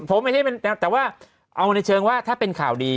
ผมไม่ใช่แต่ว่าเอาในเชิงว่าถ้าเป็นข่าวดี